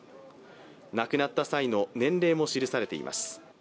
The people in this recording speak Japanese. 亡くなった際の年齢も記されています。